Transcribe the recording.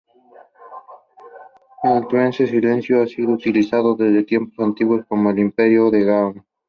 El trueque silencioso ha sido utilizado desde tiempos antiguos, como el Imperio de Ghana.